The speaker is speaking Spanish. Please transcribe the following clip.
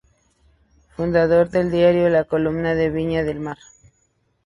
Fundador del diario "La Comuna" de Viña del Mar.